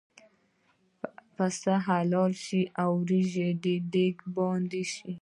پسه حلال شو او د وریجو دېګ باندې شو.